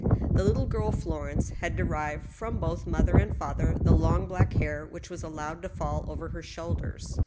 The little girl Florence had derived from both mother and father the long black hair which was allowed to fall over her shoulders.